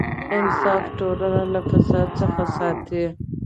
انصاف ټولنه له فساد څخه ساتي.